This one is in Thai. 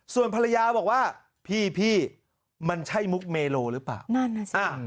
ส่วนภรรยาบอกว่าพี่มันใช่มุกเมโลหรือเปล่า